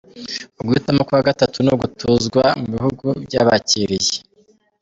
Uguhitamo kwa gatatu ni ugutuzwa mu bihugu byabakiriye.